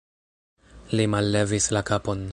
Li mallevis la kapon.